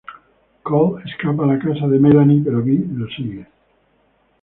Cole escapa a la casa de Melanie, pero Bee lo sigue.